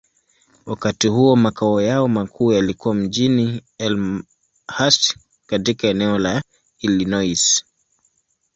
Wakati huo, makao yao makuu yalikuwa mjini Elmhurst, katika eneo la Illinois.